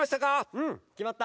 うんきまった。